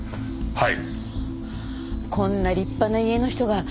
はい。